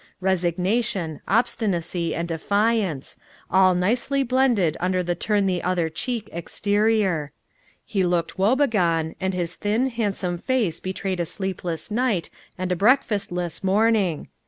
Resignation, obstinacy and defiance all nicely blended under a turn the other cheek exterior. He looked woebegone, and his thin, handsome face betrayed a sleepless night and a breakfastless morning.